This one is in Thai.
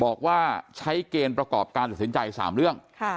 บอกว่าใช้เกณฑ์ประกอบการตัดสินใจ๓เรื่อง